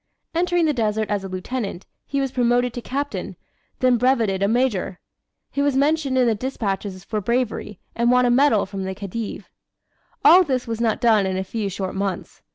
Entering the desert as a Lieutenant, he was promoted to Captain, then brevetted a Major. He was mentioned in the despatches for bravery, and won a medal from the Khedive. All this was not done in a few short months.